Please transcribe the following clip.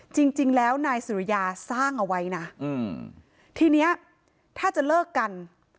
จริงแล้วนายสุริยาสร้างเอาไว้นะทีเนี้ยถ้าจะเลิกกัน